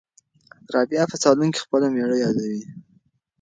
رابعه په صالون کې خپله مېړه یادوي.